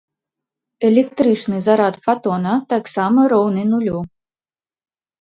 Электрычны зарад фатона таксама роўны нулю.